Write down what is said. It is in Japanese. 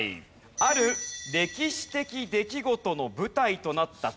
ある歴史的出来事の舞台となった机です。